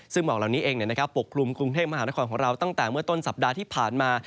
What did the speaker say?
ซึ่งหมอกเหล่านี้เองปกคลุมกรุงเทพมหานครของเราตั้งแต่เมื่อต้นสัปดาห์ที่ผ่านมา